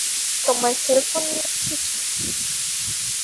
তোমার সেলফোন নিয়ে এসেছ?